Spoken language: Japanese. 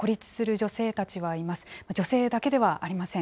女性だけではありません。